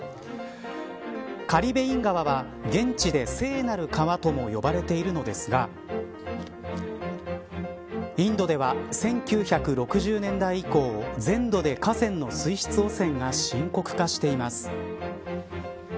カリ・ベイン川は現地で聖なる川とも呼ばれているのですがインドでは、１９６０年代以降全土で河川の水質汚染が深刻化しています。